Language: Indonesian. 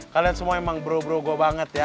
kalian semua emang bro bro gue banget ya